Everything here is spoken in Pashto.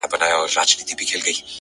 • تا بدرنگۍ ته سرټيټی په لېونتوب وکړ؛